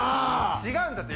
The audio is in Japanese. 違うだって。